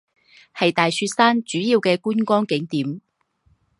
是大雪山主要的观光景点。